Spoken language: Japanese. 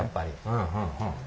うんうんうん。